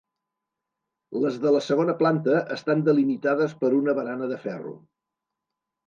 Les de la segona planta estan delimitades per una barana de ferro.